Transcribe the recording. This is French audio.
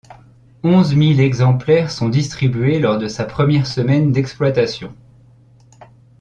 Onze mille exemplaires sont distribués lors de sa première semaine d’exploitation.